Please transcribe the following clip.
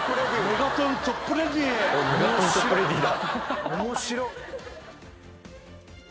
メガトンチョップレディだ。